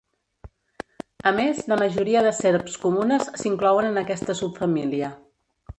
A més, la majoria de serps comunes s'inclouen en aquesta subfamília.